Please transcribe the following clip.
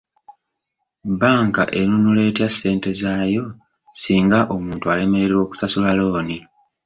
Bbanka enunula etya ssente zaayo singa omuntu alemererwa okusasula looni?